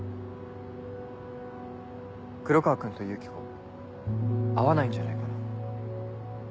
黒川君とユキコ合わないんじゃないかな。